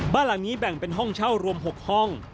บ้านหลังนี้แบ่งเป็นห้องเช่ารวม๖ห้อง